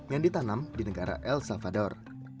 yang ditanam di negara el salvador